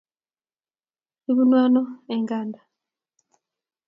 Ibunu ano eng' Kanada?